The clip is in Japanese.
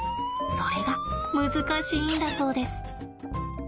それが難しいんだそうです。